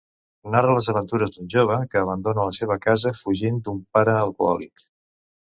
Narra les aventures d'un jove que abandona la seva casa fugint d'un pare alcohòlic.